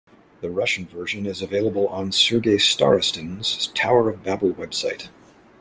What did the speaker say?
The Russian version is available on Sergei Starostin's "Tower of Babel" web site.